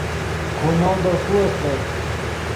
خونو دے کو استت